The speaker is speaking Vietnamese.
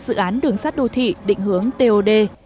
theo nghị định số năm mươi chín